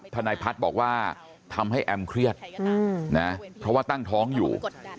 ทนายพัฒน์บอกว่าทำให้แอมเครียดนะเพราะว่าตั้งท้องอยู่